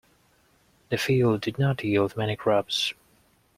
The field did not yield many crops.